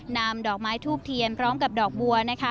นำดอกไม้ทูบเทียนพร้อมกับดอกบัวนะคะ